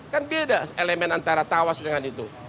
kan beda elemen antara tawas dengan itu